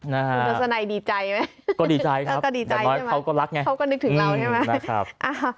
นะฮะดิจัยไหมก็ดิจัยครับก็ดิจัยใช่ไหมเขาก็รักไงเขาก็นึกถึงเราใช่ไหมนะครับอ่า